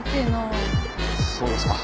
そうですか。